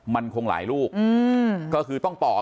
มันคงหลายลูกก็คือต้องตอบ